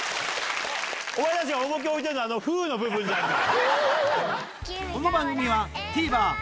おまえたちが重き置いてるのは「Ｆｕ」の部分じゃんか！